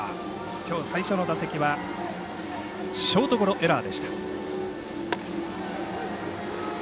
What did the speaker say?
きょう最初の打席はショートゴロエラーでした。